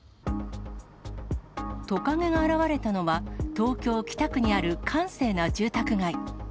トカゲが現れたのは、東京・北区にある閑静な住宅街。